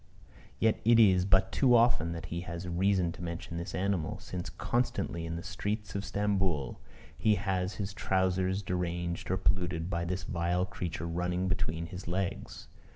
Yet it is but too often that he has reason to mention this animal; since constantly, in the streets of Stamboul, he has his trousers deranged or polluted by this vile creature running between his legs.